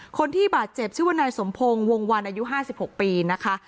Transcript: คนที่บาดเจ็บชื่อว่านายสมพงศ์วงวันอายุ๕๖ปีนะคะ